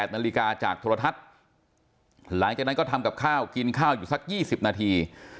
นาฬิกาจากโทรทัศน์หลังจากนั้นก็ทำกับข้าวกินข้าวอยู่สัก๒๐นาที